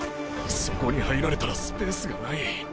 そこに入られたらスペースがない。